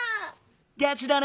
ガチだね。